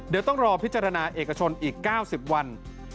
เดี๋ยวต้องรอพิจารณาเอกชนอีก๙๐วัน